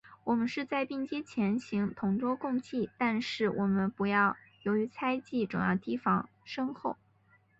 我们是在并肩前行，同舟共济，但是我们不要由于猜疑，总要提防身后。